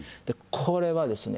これはですね